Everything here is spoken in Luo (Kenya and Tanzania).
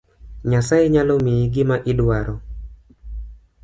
Nyasaye nyalo miyi gima iduaro